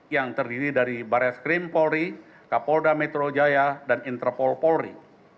yang terdiri dari barres krim polri kapolda metro jaya dan interpol polri